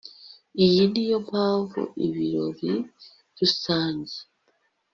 Iyi niyo mpamvu ibirori rusange